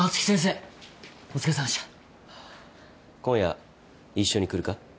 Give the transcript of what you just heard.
今夜一緒に来るか？